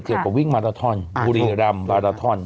กับวิ่งมาราทอนบุรีรำบาราทอน